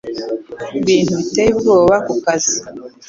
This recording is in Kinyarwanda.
Ibintu biteye ubwoba kukazi